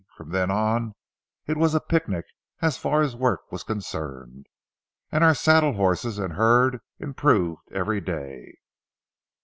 From then on it was a picnic as far as work was concerned, and our saddle horses and herd improved every day.